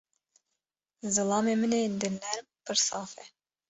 Zilamê min ê dilnerm, pir saf e.